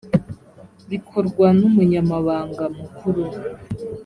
bikorwa n umunyamabanga mukuru